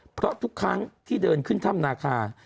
เพราะทุกครั้งที่เดินขึ้นถ้ำนาคา